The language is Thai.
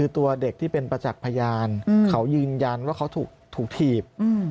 ตัวเด็กที่เป็นประจักษ์พยานเขายืนยันว่าเขาถูกถีบ